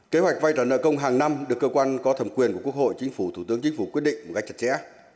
kế hoạch vay trả nợ công hàng năm được cơ quan có thẩm quyền của quốc hội chính phủ thủ tướng chính phủ quyết định một cách chặt chẽ